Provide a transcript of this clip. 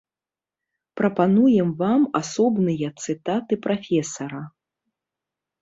Прапануем вам асобныя цытаты прафесара.